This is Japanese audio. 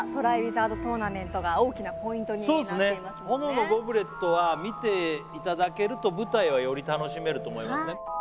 「炎のゴブレット」は見ていただけると舞台はより楽しめると思いますね